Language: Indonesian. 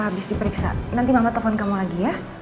habis diperiksa nanti mama telepon kamu lagi ya